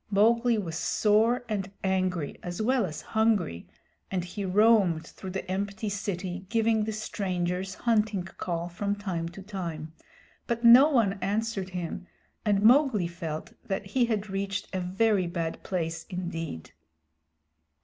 Mowgli was sore and angry as well as hungry, and he roamed through the empty city giving the Strangers' Hunting Call from time to time, but no one answered him, and Mowgli felt that he had reached a very bad place indeed.